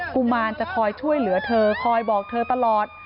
กุมารจะคอยช่วยเหลือเธอคอยบอกเธอตลอด